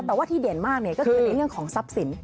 แต่ว่าที่เด่นมากก็คือในเรื่องของทรัพย์สิน